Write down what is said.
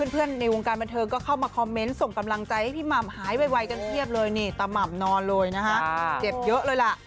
ในวงการบันเทิงก็เข้ามาคอมเมนต์ส่งกำลังใจให้พี่หม่ำหายไวกันเพียบเลยนี่ตาม่ำนอนเลยนะฮะเจ็บเยอะเลยล่ะ